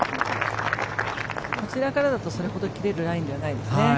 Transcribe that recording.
こちらからだとそれほど切れるラインではないですね。